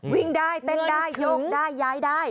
วิ่งได้เต้นได้โยงได้ย้ายได้